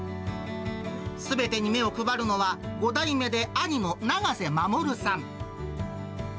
すべてに目を配るのは、５代目で兄の永瀬守さん。